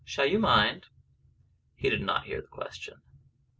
Shall you mind?" He did not hear the question.